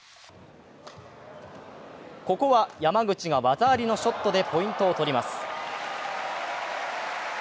ここは山口が技ありのショットでポイントを取ります。